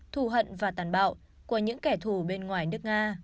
thù hận và tàn bạo của những kẻ thù bên ngoài nước nga